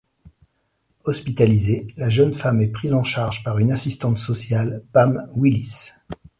Hospitalisée, la jeune femme est prise en charge par une assistante sociale, Pam Willis...